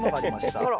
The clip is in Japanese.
あら。